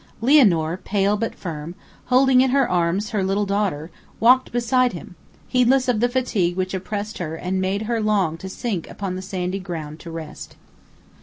Lianor, pale but firm, holding in her arms her little daughter, walked beside him, heedless of the fatigue which oppressed her and made her long to sink upon the sandy ground to rest.